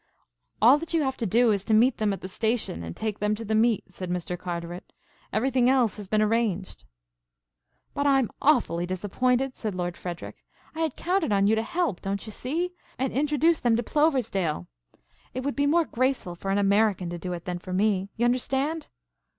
"All that you have to do is to meet them at the station and take them to the meet," said Mr. Carteret. "Everything else has been arranged." "But I'm awfully disappointed," said Lord Frederic. "I had counted on you to help, don't you see, and introduce them to Ploversdale. It would be more graceful for an American to do it than for me. You understand?"